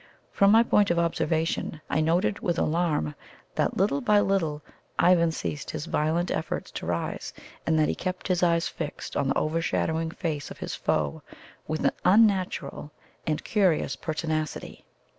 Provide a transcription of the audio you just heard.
From my point of observation I noted with alarm that little by little Ivan ceased his violent efforts to rise, and that he kept his eyes fixed on the overshadowing face of his foe with an unnatural and curious pertinacity.